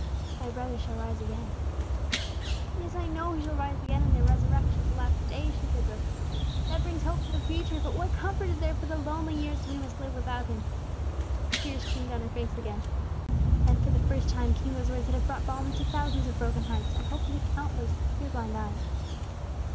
"Thy brother shall rise again," He said gently. "Yes, I know he shall rise again in the resurrection, at the last day," she said brokenly. "That brings hope for the future; but what comfort is there for the lonely years we must live without him?" The tears streamed down her face again. Then for the first time came those words that have brought balm into thousands of broken hearts, and hope into countless tear blind eyes.